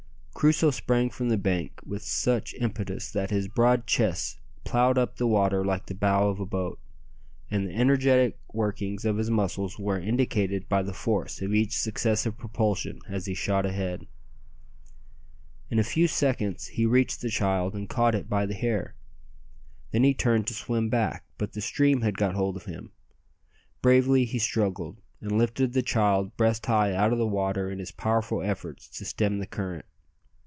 Crusoe sprang from the bank with such impetus that his broad chest ploughed up the water like the bow of a boat, and the energetic workings of his muscles were indicated by the force of each successive propulsion as he shot ahead. In a few seconds he reached the child and caught it by the hair. Then he turned to swim back, but the stream had got hold of him. Bravely he struggled, and lifted the child breast high out of the water in his powerful efforts to stem the current.